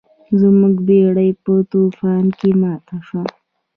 زموږ بیړۍ په طوفان کې ماته شوه.